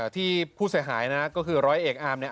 ที่ผู้เสียหายนะก็คือร้อยเอกอามเนี่ย